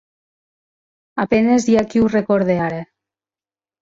A penes hi ha qui ho recorde ara.